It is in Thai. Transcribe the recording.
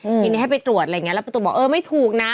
ทีนี้ให้ไปตรวจอะไรอย่างเงี้แล้วประตูบอกเออไม่ถูกนะ